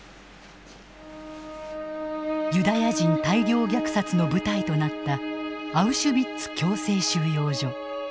ユダヤ人大量虐殺の舞台となったアウシュビッツ強制収容所。